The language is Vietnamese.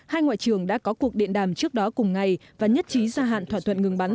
hai ngoại trưởng đã có cuộc điện đàm trước đó cùng ngày và nhất trí gia hạn thỏa thuận ngừng bắn